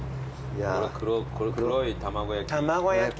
この黒い卵焼き。